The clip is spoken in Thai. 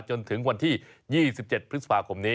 จนถึงวันที่๒๗พฤษภาคมนี้